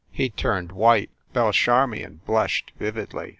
He turned white. Belle Charmion blushed vividly.